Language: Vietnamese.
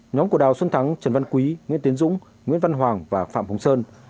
nhóm của đào xuân thắng trần văn quý nguyễn tiến dũng nguyễn văn hoàng và phạm hồng sơn